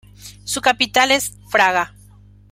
Su capital es Fraga.